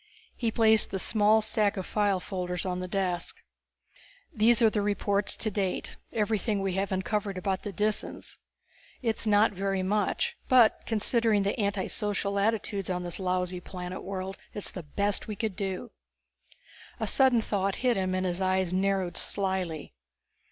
He placed the small stack of file folders on the desk. "These are the reports to date, everything we have uncovered about the Disans. It's not very much; but considering the anti social attitudes on this lousy world it is the best we could do." A sudden thought hit him, and his eyes narrowed slyly.